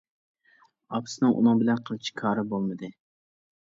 ئاپىسىنىڭ ئۇنىڭ بىلەن قىلچە كارى بولمىدى.